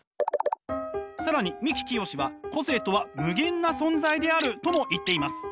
更に三木清は「個性とは無限な存在である」とも言っています。